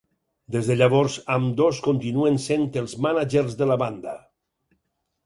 Des de llavors, ambdós continuen sent els mànagers de la banda.